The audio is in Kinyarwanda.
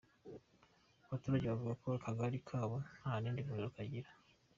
Abaturage bavuga ko akagari kabo nta rindi vuriro kagira.